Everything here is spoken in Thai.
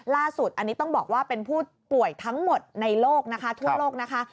ล่าสุดอันนี้ต้องบอกว่าเป็นผู้ป่วยทั้งหมดในโลกนะคะทั่วโลกนะคะ